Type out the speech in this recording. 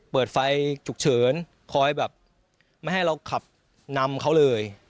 เปิดไฟฉุกเฉินคอยแบบไม่ให้เราขับนำเขาเลย